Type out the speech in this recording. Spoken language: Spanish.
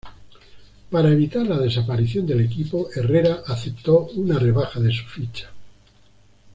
Para evitar la desaparición del equipo, Herrera aceptó una rebaja de su ficha.